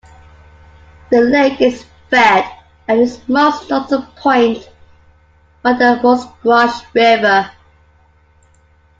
The lake is fed at its most northern point by the Musquash River.